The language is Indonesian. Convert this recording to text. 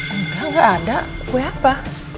enggak enggak ada kue apa